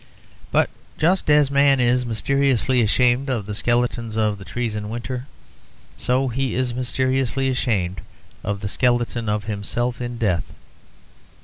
But just as man is mysteriously ashamed of the skeletons of the trees in winter, so he is mysteriously ashamed of the skeleton of himself in death.